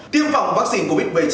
tiêm phòng vaccine covid một mươi chín